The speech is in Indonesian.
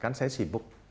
kan saya sibuk